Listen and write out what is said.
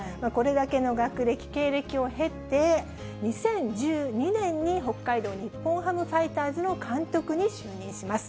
これだけの学歴、経歴を経て、２０１２年に北海道日本ハムファイターズの監督に就任します。